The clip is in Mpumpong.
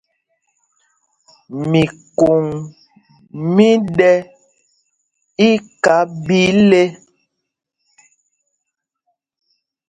Mikǒŋ mí ɗɛ́ íká ɓɛ íle.